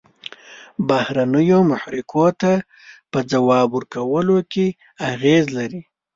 بهرنیو محرکو ته په ځواب ورکولو کې اغیزې لري.